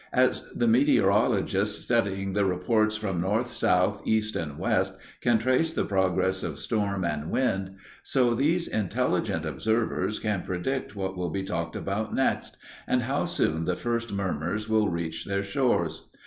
As the meteorologist, studying the reports from North, South, East and West, can trace the progress of storm and wind, so these intelligent observers can predict what will be talked about next, and how soon the first murmurs will reach their shores.